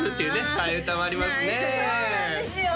替え歌もありますねそうなんですよ